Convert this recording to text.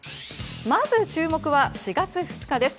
まず注目は４月２日です。